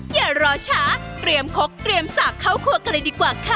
อย่ารอช้าเตรียมคกเตรียมสากเข้าครัวกันเลยดีกว่าค่ะ